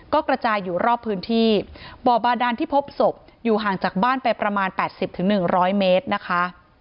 ก็กระจายอยู่รอบพื้นที่บ่อบาดานที่พบศพอยู่ห่างจากบ้านไปประมาณ๘๐๑๐๐เมตรนะคะ